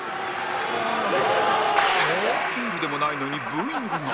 ヒールでもないのにブーイングが